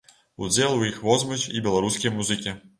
Удзел у іх возьмуць і беларускія музыкі.